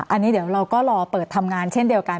อันนี้เดี๋ยวเราก็รอเปิดทำงานเช่นเดียวกัน